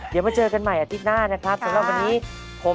เดี๋ยวมาเจอกันใหม่อาทิตย์หน้านะครับสำหรับวันนี้ผม